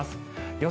予想